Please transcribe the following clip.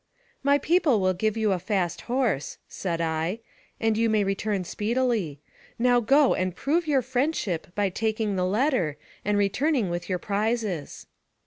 " My people will give you a fast horse," said I, "and you may return speedily. Go now, and prove your friendship by taking the letter, and returning with your prizes."